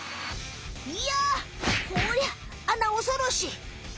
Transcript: いやこりゃあなおそろし！